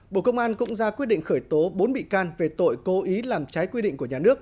bộ công an cũng ra quyết định khởi tố bốn bị can về tội cố ý làm trái quy định của nhà nước